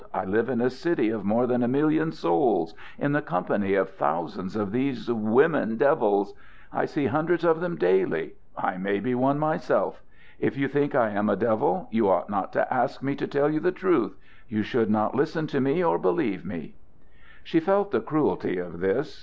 I live in a city of more than a million souls in the company of thousands of these women devils. I see hundreds of them daily. I may be one myself. If you think I am a devil, you ought not to ask me to tell you the truth. You should not listen to me or believe me." She felt the cruelty of this.